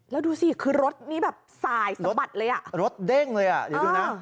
แล้วดูสิคือรถนี้แบบสายสะบัดเลยอ่ะรถเด้งเลยอ่ะเดี๋ยวดูนะ